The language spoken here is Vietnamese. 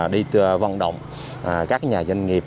đi văn động các nhà doanh nghiệp